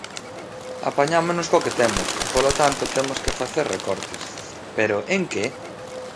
Apañámonos co que temos, e polo tanto temos que facer recortes, pero en que?